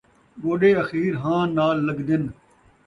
گوݙے اخیر ہاں نال لڳدن